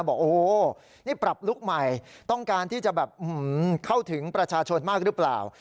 บอกโอ้โหนี่ปรับลุคใหม่ต้องการที่จะแบบเข้าถึงประชาชนมากหรือเปล่า